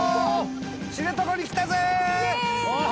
知床に来たぜーっ！